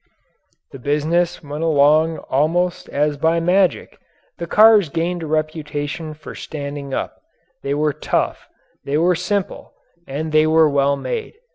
The business went along almost as by magic. The cars gained a reputation for standing up. They were tough, they were simple, and they were well made.